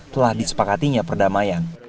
telah disepakatinya perdamaian